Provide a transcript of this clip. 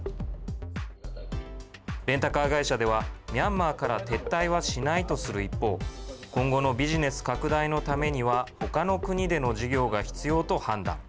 レンタカー会社ではミャンマーから撤退はしないとする一方今後のビジネス拡大のためには他の国での事業が必要と判断。